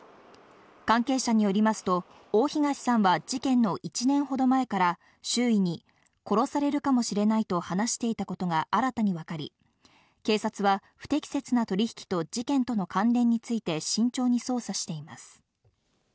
関係者によりますと大東さんは事件の１年ほど前から、周囲に殺されるかもしれないと話していたことが新たに分かり、警察が不適切な取引と事件との関連について慎重に捜査しています。